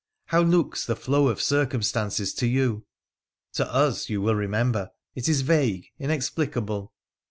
How looks the flow of circumstances to you? — to us, you will remember, it is vague, inexplicable.'